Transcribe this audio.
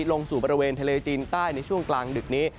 ลงสู่บริเวณทะเลจีนใต้ในช่วงกลางดึกนี้